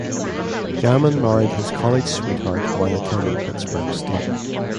Gammon married his college sweetheart while attending Pittsburg State.